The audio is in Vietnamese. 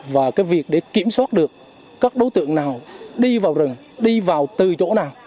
và cái việc để kiểm soát được các đối tượng nào đi vào rừng đi vào từ chỗ nào